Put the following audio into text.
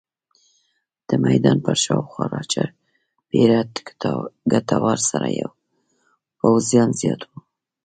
د میدان پر شاوخوا راچاپېره کټارو سره پوځیان زیات وو.